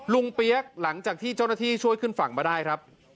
เปี๊ยกหลังจากที่เจ้าหน้าที่ช่วยขึ้นฝั่งมาได้ครับ